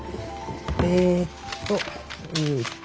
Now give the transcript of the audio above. えっとえっと。